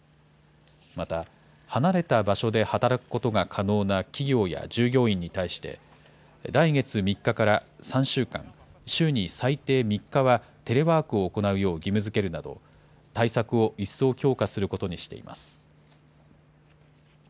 また、離れた場所で働くことが可能な企業や従業員に対して、来月３日から３週間、週に最低３日はテレワークを行うよう義務づけるなど、対策を一層強化することにしています。